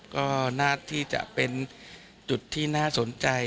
ก็น่าที่จะเป็นจุดที่น่าสนใจ